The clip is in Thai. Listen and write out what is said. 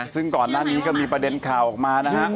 ซึ่งก่อนหน้านี้ก็มีประเด็นข่าวออกมานะฮะ